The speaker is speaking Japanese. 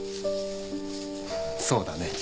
そうだね。